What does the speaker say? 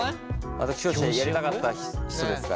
私教師をやりたかった人ですから。